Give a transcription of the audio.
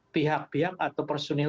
pihak pihak atau personil